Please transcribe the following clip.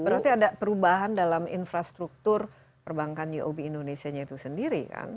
berarti ada perubahan dalam infrastruktur perbankan uob indonesia nya itu sendiri kan